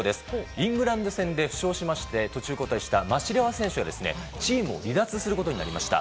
イングランド戦で負傷し途中交代したマシレワ選手がチームを離脱することになりました。